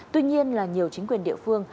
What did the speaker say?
tuy nhiên nhiều chính quyền địa phương